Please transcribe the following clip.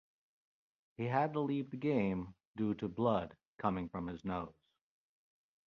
He had to leave the game due to blood coming from his nose.